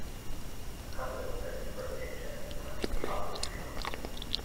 A couple is posing for a picture in front of the Arc de Triomphe.